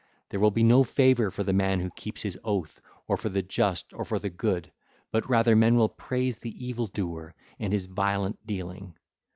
There will be no favour for the man who keeps his oath or for the just or for the good; but rather men will praise the evil doer and his violent dealing.